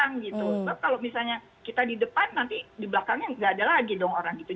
sebab kalau misalnya kita di depan nanti di belakangnya nggak ada lagi dong orang gitu